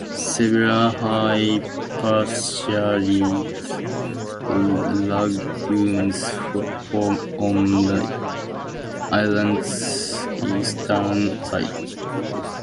Several hypersaline lagoons form on the island's eastern side.